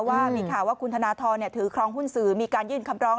ว่าคุณฑานาทรถือครองหุ้นสือมีการยื่นคำร้อง